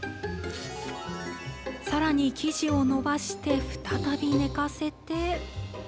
さらに生地を延ばして、再び寝かせて。